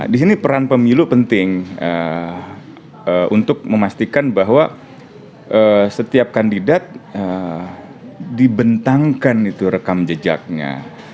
di sini peran pemilu penting untuk memastikan bahwa setiap kandidat dibentangkan itu rekam jejaknya